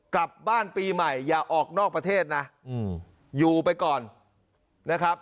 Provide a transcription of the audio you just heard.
กลับบ้านปีใหม่อย่าออกนอกประเทศนะอยู่ไปก่อนนะครับ